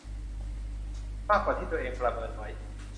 มากกว่าที่ตัวเองประเมินไว้